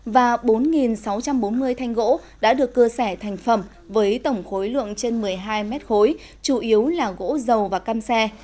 và bốn sáu trăm bốn mươi thanh gỗ đã được cưa sẻ thành phẩm với tổng khối lượng trên một mươi hai mét khối chủ yếu là gỗ dầu và cam xe